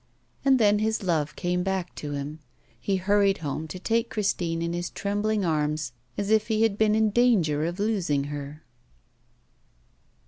And then his love came back to him; he hurried home to take Christine in his trembling arms as if he had been in danger of losing her.